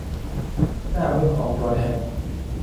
หน้าเว็บของตัวแทน